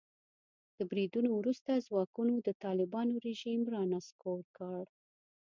د بریدونو وروسته ځواکونو د طالبانو رژیم را نسکور کړ.